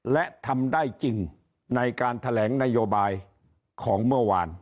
และทำได้จริงในการแถลงนโยบายของเมื่อวาน